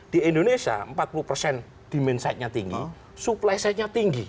di indonesia empat puluh persen di main sitenya tinggi supply sitenya tinggi